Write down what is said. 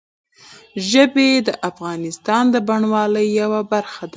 ژبې د افغانستان د بڼوالۍ یوه برخه ده.